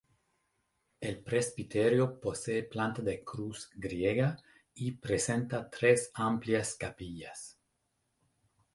El presbiterio posee planta de cruz griega, y presenta tres amplias capillas.